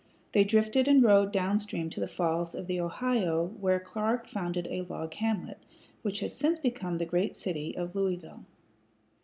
They drifted and rowed downstream to the Falls of the Ohio, where Clark founded a log hamlet, which has since become the great city of Louisville.